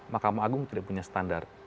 mahkamah agung tidak punya standar